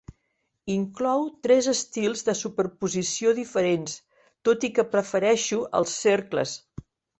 Inclou tres estils de superposició diferents, tot i que prefereixo els cercles.